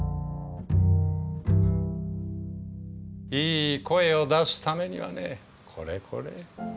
いい声を出すためにはねこれこれ。